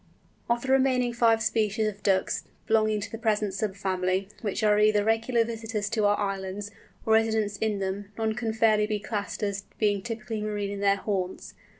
Of the remaining five species of Ducks belonging to the present sub family, which are either regular visitors to our islands, or residents in them, none can fairly be classed as being typically marine in their haunts.